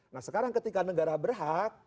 nah sekarang ketika negara berhak